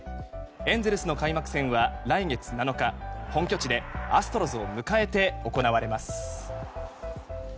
エンゼルスの開幕戦は来月７日本拠地でアストロズを迎えて行われます。